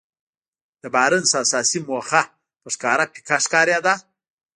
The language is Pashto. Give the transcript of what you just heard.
د بارنس اساسي موخه په ښکاره پيکه ښکارېده.